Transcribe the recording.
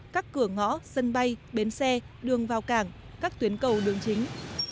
các cửa ngõ sân bay bến xe đường vào cảng các tuyến cầu đường chính